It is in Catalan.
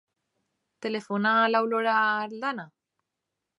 Telefona a l'Aurora Aldana.